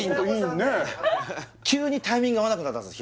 急にタイミング合わなくなったんです